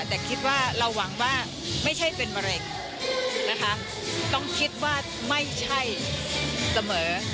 แต่คิดว่าเราหวังว่าไม่ใช่เป็นมะเร็งนะคะต้องคิดว่าไม่ใช่เสมอ